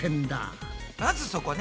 まずそこね。